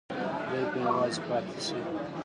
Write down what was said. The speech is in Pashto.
دی به یوازې پاتې شي.